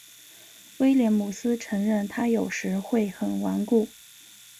威廉姆斯承认他有时会很顽固。